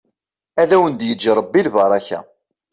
Ad awen-d-yeǧǧ ṛebbi lbaṛaka.